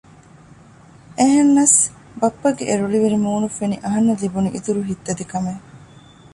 އެހެންނަސް ބައްޕަގެ އެ ރުޅިވެރި މޫނު ފެނި އަހަންނަށް ލިބުނީ އިތުރު ހިތްދަތިކަމެއް